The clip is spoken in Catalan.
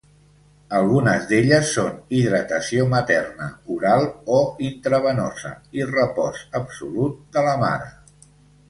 Algunes d'elles són: hidratació materna oral o intravenosa i repòs absolut de la mare.